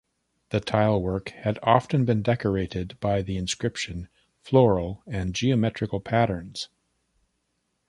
The tile work had often been decorated by the inscription, floral and geometrical patterns.